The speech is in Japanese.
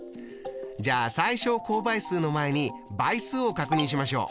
じゃあ最小公倍数の前に倍数を確認しましょう。